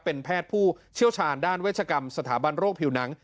เป็นแพทย์ผู้เชี่ยวชาญด้านเวชกรรมสถาบันโรคผิวหนัง